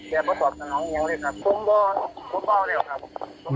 แบบว่าตอบกับน้องเนี๊ยวเลยครับผมบอกเลยครับ